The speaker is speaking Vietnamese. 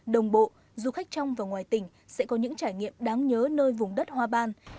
đồng bộ du khách trong và ngoài tỉnh sẽ có những trải nghiệm đáng nhớ nơi vùng đất hoa ban